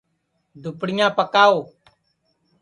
دُپڑِیاں پکاؤ